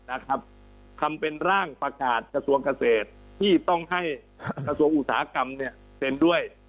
นะครับทำเป็นร่างประกาศกระทรวงเกษตรที่ต้องให้กระทรวงอุตสาหกรรมเนี่ยเซ็นด้วย